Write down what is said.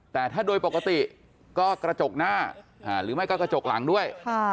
แต่ถ้าโดยปกติก็กระจกหน้าหรือไม่ก็กระจกหลังด้วย